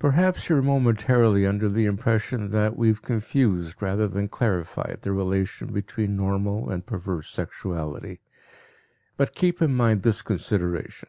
Perhaps you are momentarily under the impression that we have confused rather than clarified the relation between normal and perverse sexuality. But keep in mind this consideration.